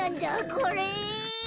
これ。